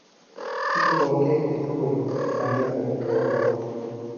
تی ککویکی تُوری ہݨے گڈیۡ پھوٹولہ۔